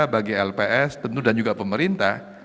bagi lps tentu dan juga pemerintah